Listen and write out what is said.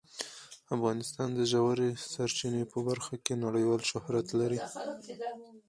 افغانستان د ژورې سرچینې په برخه کې نړیوال شهرت لري.